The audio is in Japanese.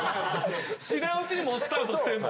知らんうちにもうスタートしてんの？